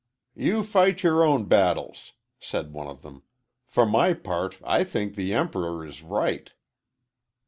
"You fight your own battles," said one of them. "For my part, I think the Emp'ror is right."